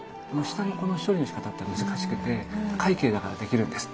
下のこの処理のしかたって難しくて快慶だからできるんです。